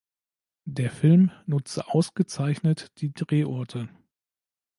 Der Film nutze "„ausgezeichnet“" die Drehorte.